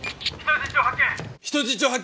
「人質を発見！」